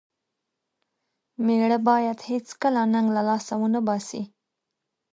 مېړه بايد هيڅکله ننګ له لاسه و نه باسي.